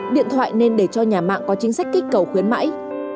điện thoại nên để cho nhà mạng có chính sách kích cầu khuyến mãi